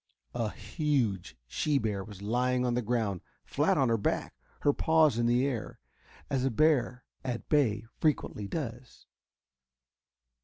A huge she bear was lying on the ground, flat on her back, her paws in the air, as a bear at bay frequently does.